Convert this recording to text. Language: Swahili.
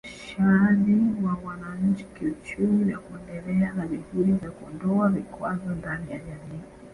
Uwezeshaji wa wananchi kiuchumi na kuendelea na juhudi za kuondoa vikwazo ndani ya jamii